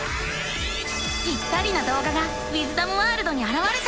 ぴったりなどうががウィズダムワールドにあらわれた。